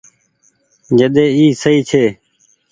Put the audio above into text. جڏي اي سئي ڇي۔